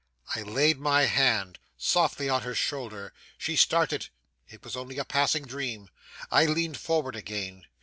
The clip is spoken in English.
I laid my hand softly on her shoulder. She started it was only a passing dream. I leaned forward again.